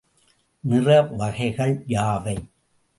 நிற வகைகள் யாவை?